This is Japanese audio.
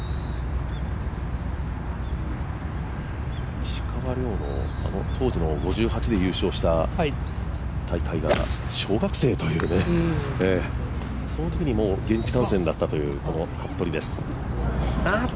石川遼のあの当時の５８で優勝した大会が小学生という、そのときにもう現地観戦だったという服部です。